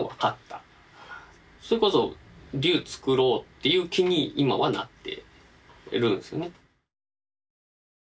それこそ竜作ろうっていう気に今はなっているんですよね。